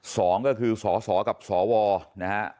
ซองก็คือสกับสวนะครับ